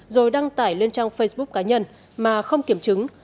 rồi đăng tải lên trang facebook cá nhân mà không kiểm chứng